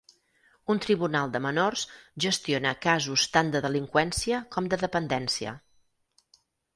Un tribunal de menors gestiona casos tant de delinqüència com de dependència.